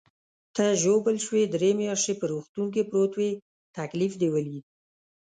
ته ژوبل شوې، درې میاشتې په روغتون کې پروت وې، تکلیف دې ولید.